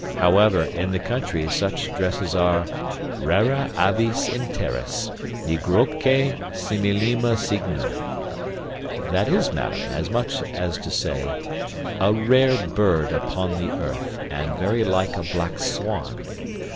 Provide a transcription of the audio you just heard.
However, in the country, such dresses are Rara avis in terris, nigroque simillima cygno. That is, madam, as much as to say, 'A rare bird upon the earth, and very like a black swan.'